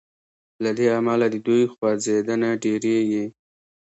له دې امله د دوی خوځیدنه ډیریږي.